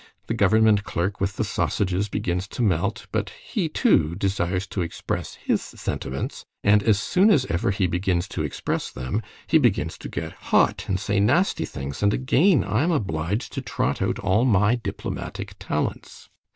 The government clerk with the sausages begins to melt, but he, too, desires to express his sentiments, and as soon as ever he begins to express them, he begins to get hot and say nasty things, and again I'm obliged to trot out all my diplomatic talents.